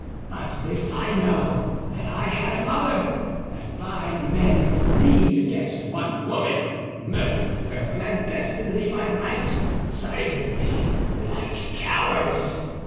But this I know, that I had a mother, that five men leagued against one woman, murdered her clandestinely by night—silently—like cowards.